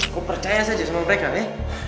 kau percaya saja sama mereka ya